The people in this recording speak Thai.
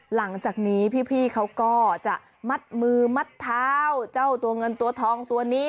หลังจากนี้พี่เขาก็จะมัดมือมัดเท้าเจ้าตัวเงินตัวทองตัวนี้